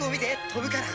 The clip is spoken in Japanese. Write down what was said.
飛ぶから」